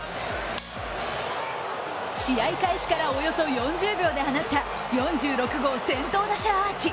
試合開始からおよそ４０秒で放った４６号先頭打者アーチ。